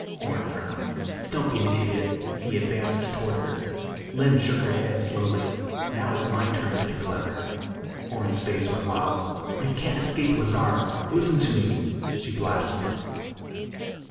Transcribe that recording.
Horn frowned. "Don't be an idiot." He advanced toward her. Lynn shook her head slowly. "Now it's my turn to be clever." Horn's face went wild. "You can't escape Lazar! Listen to me " She blasted him.